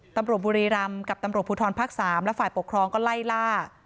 ตำรวจบุรีรำกับตำรวจภูทรภาค๓และฝ่ายปกครองก็ไล่ล่า